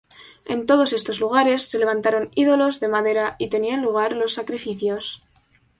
En todos estos lugares se levantaron ídolos de madera y tenían lugar los sacrificios.